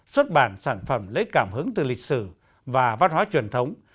xuất bản sản phẩm lấy cảm hứng từ lịch sử và văn hóa truyền thống